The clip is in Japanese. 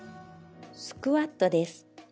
「スクワットです」